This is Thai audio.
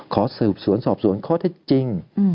ขอสืบสวนสอบสวนข้อเท็จจริง